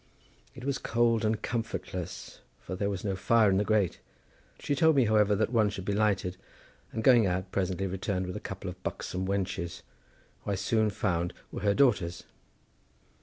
It was cold and comfortless, for there was no fire in the grate. She told me, however, that one should be lighted, and going out presently returned with a couple of buxom wenches, who I soon found were her daughters.